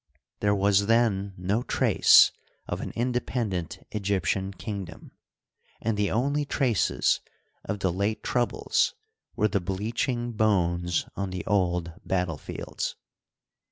There was then no trace of an independent Egyptian kingdom, and the only traces of the late troubles were the bleaching bones on the old battle fields.